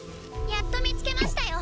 やっと見つけましたよ